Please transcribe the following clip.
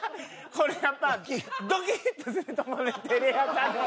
これやっぱドキッとすると思うねんテレ朝で。